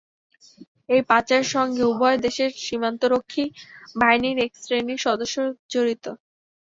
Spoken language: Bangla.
এই পাচারের সঙ্গে উভয় দেশের সীমান্তরক্ষী বাহিনীর একশ্রেণির সদস্য জড়িত।